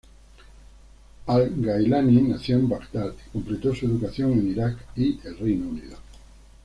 Al-Gailani nació en Bagdad y completó su educación en Irak y el Reino Unido.